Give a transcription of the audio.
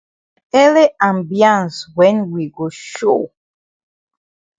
Ele ambiance wen we go show.